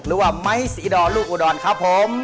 หรือว่าไม้สีดอนลูกอุดรครับผม